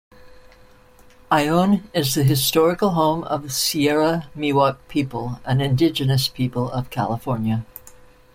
Ione is the historical home of Sierra Miwok people, an indigenous people of California.